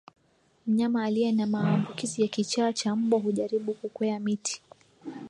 Mnyama aliye na maambukizi ya kichaa cha mbwa hujaribu kukwea miti